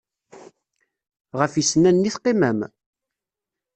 Ɣef yisennanen i teqqimem?